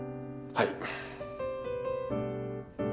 はい。